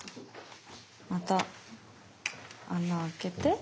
また穴あけて。